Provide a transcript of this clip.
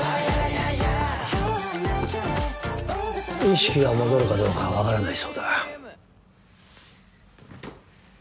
意識が戻るかどうかわからないそうだ。